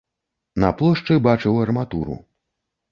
На плошчы бачыў арматуру.